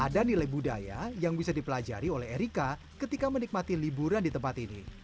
ada nilai budaya yang bisa dipelajari oleh erika ketika menikmati liburan di tempat ini